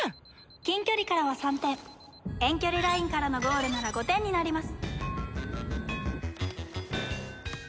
近距離からは３点遠距離ラインからのゴールなら５点になります。